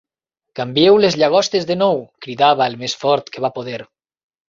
"Canvieu les llagostes de nou!", cridava el més fort que va poder.